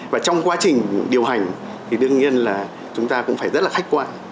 và trong quá trình điều hành thì đương nhiên là chúng ta cũng phải rất là khách quan